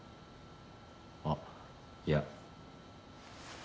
あっいや。